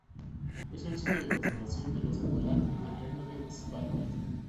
Es un sitio de conservación del oso polar y del reno de Svalbard.